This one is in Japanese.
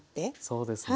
そうですね。